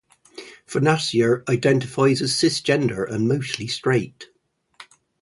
Fonacier identifies as cisgender and mostly straight.